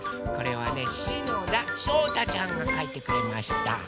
これはねしのだしょうたちゃんがかいてくれました。